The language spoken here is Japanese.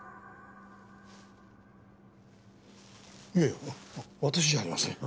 いやいや私じゃありませんよ。